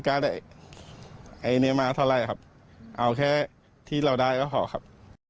เท่าไหร่ครับเอาแค่ที่เราได้ก็พอครับ